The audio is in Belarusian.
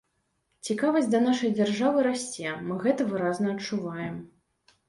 Цікавасць да нашай дзяржавы расце, мы гэта выразна адчуваем.